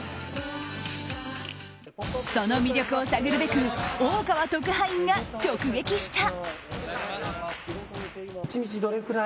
その魅力を探るべく大川特派員が直撃した。